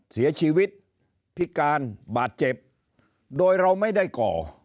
เสียชีวิตพิการบาดเจ็บโดยเราไม่ได้ก่อ